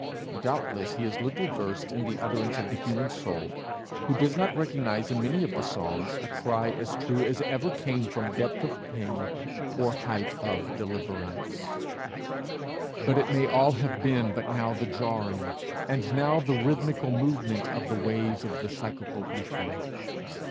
Doubtless he is little versed in the utterance of the human soul, who does not recognize in many of the psalms a cry as true as ever came from depth of pain or height of deliverance; but it may all have been but now the jarring and now the rhythmical movement of the waves of the psychical aether!